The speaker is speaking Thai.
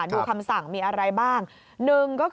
คำสั่งมีอะไรบ้าง